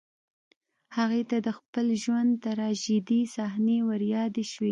هغې ته د خپل ژوند تراژيدي صحنې وريادې شوې